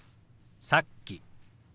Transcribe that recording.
「さっき」。